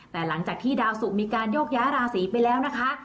แต่หลังจากที่ดาวสุกมีการโยกย้ายราศีไปแล้วนะคะ